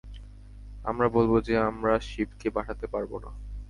আমরা বলব যে আমরা শিবকে পাঠাতে পারব না।